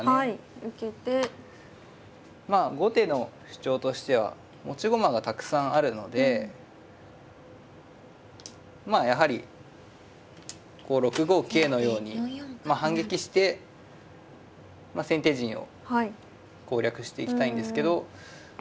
まあ後手の主張としては持ち駒がたくさんあるのでまあやはりこう６五桂のように反撃して先手陣を攻略していきたいんですけどまあ